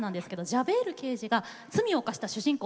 ジャベール刑事が罪を犯した主人公